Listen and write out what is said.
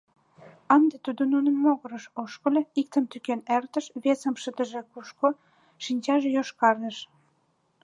Ынде тудо нунын могырыш ошкыльо, иктым тӱкен эртыш, весым, шыдыже кушко, шинчаже йошкаргыш.